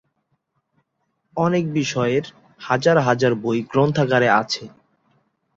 অনেক বিষয়ের হাজার হাজার বই গ্রন্থাগারে আছে।